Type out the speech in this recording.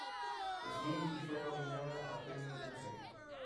Smith y fue nominada al Premio Booker.